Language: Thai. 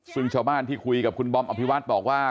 ซึ่งชาวบ้านที่คุยกับคุณบอมอภิวัฒน์บอกว่า